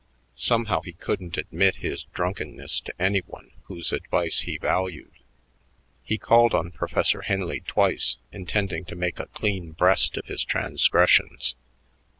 Somehow, he couldn't admit his drunkenness to any one whose advice he valued. He called on Professor Henley twice, intending to make a clean breast of his transgressions.